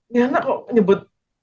nihana kok nyebut